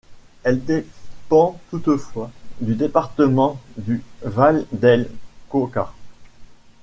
Elle dépend toutefois du département du Valle del Cauca.